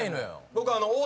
僕。